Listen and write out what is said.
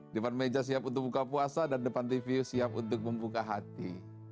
depan meja siap untuk buka puasa dan depan tv siap untuk membuka hati